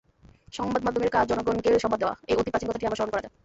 সংবাদমাধ্যমের কাজ জনগণকে সংবাদ দেওয়া—এই অতি প্রাচীন কথাটি আবার স্মরণ করা যাক।